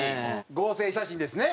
合成写真ですね。